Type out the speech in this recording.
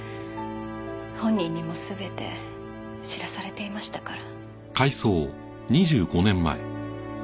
本人にも全て知らされていましたから。